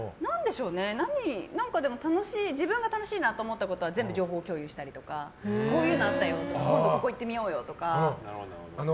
何か自分が楽しいなと思ったことは全部情報共有したりとかこういうのがあったよとか今度、ここ行ってみようとか。